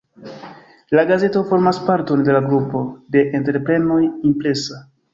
La gazeto formas parton de la grupo de entreprenoj "Impresa".